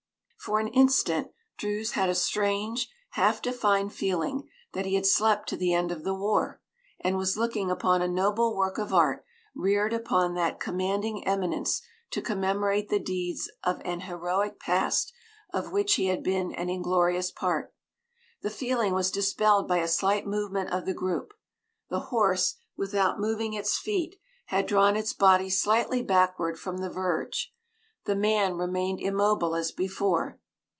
For an instant Druse had a strange, half defined feeling that he had slept to the end of the war and was looking upon a noble work of art reared upon that commanding eminence to commemorate the deeds of an heroic past of which he had been an inglorious part. The feeling was dispelled by a slight movement of the group: the horse, without moving its feet, had drawn its body slightly backward from the verge; the man remained immobile as before.